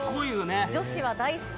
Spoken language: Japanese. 女子は大好き。